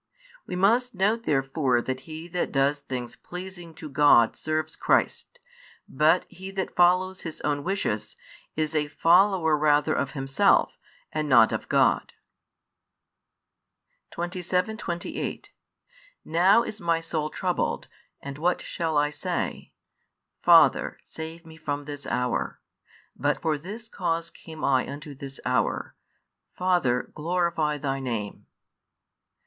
We must note therefore that he that does things pleasing to God serves Christ, but he that follows his own wishes, is a follower rather of himself and not of God, 27, 28 Now is My soul troubled; and what, shall I say? Father, save Me from this hour. But for this cause [came I] unto this hour. Father, glorify Thy name.